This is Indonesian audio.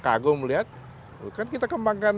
kagum melihat kan kita kembangkan